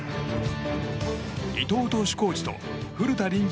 伊藤投手コーチと古田臨時